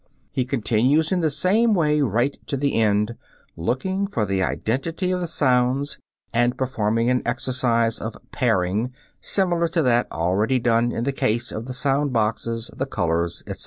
He continues in the same way right to the end, looking for the identity of the sounds and performing an exercise of pairing similar to that already done in the case of the sound boxes, the colors, etc.